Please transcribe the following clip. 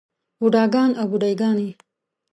بوډاګان او بوډے ګانے